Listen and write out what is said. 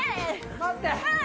待って。